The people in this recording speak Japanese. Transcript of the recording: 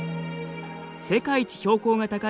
世界一標高が高い